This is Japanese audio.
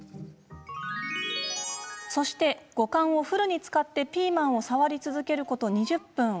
そして、五感をフルに使ってピーマンを触り続けること２０分。